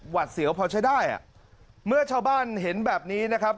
เสียวพอใช้ได้อ่ะเมื่อชาวบ้านเห็นแบบนี้นะครับ